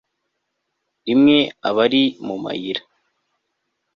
Rimwe aba ari mu mayira